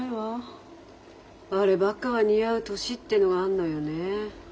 あればっかは似合う年ってのがあんのよねえ。